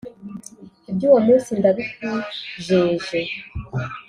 iby’uwo munsi ndabikujeje